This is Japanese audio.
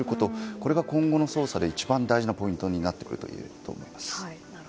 これが今後の捜査で一番大事なポイントになってくると思います。